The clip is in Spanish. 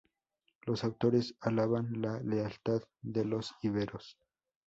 Los autores alaban la lealtad de los iberos.